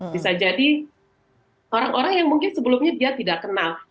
bisa jadi orang orang yang mungkin sebelumnya dia tidak kenal